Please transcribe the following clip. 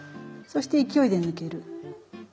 そして勢いで抜ける。